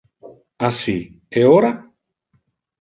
Assi, e ora?